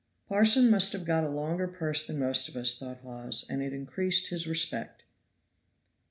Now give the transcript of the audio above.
Parson must have got a longer purse than most of us, thought Hawes, and it increased his respect.